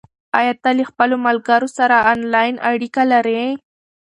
آیا ته له خپلو ملګرو سره آنلاین اړیکه لرې؟